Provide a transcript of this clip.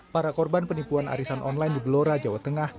para korban penipuan arisan online di belora jawa tengah